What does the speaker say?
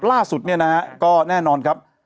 ล่าสุดเนี่ยนะฮะก็แน่นอนครับ